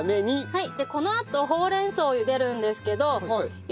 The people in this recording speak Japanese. はい！